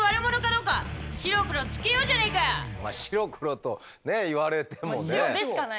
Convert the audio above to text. まあ「白黒」とね言われてもね。